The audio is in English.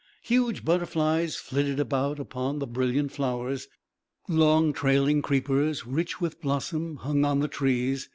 Huge butterflies flitted about upon the brilliant flowers. Long trailing creepers, rich with blossom, hung on the trees.